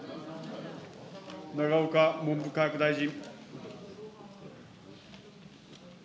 永岡文部科学大臣。